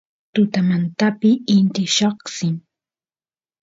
tutamantapi inti lloqsin